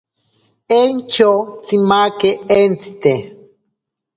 Entyo tsimake entsite.